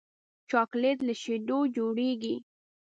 چاکلېټ له شیدو جوړېږي.